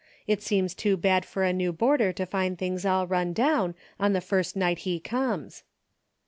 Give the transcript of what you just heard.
It seems too bad for a new boarder to find things all run down on the first night he comes."